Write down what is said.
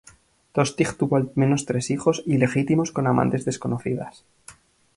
Tostig tuvo al menos tres hijos ilegítimos con amantes desconocidas.